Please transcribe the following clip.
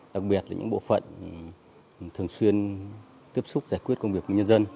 đặc biệt là những bộ phận thường xuyên tiếp xúc giải quyết công việc của nhân dân